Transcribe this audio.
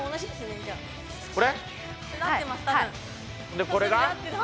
でこれが？